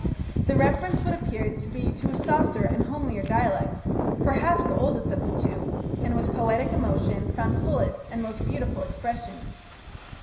The reference would appear to be to a softer and homelier dialect, perhaps the oldest of the two, in which poetic emotion found fullest and most beautiful expression.